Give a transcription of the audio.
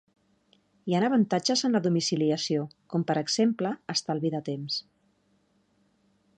Hi ha avantatges en la domiciliació, com per exemple estalvi de temps.